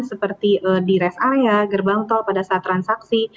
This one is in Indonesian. seperti di rest area gerbang tol pada saat transaksi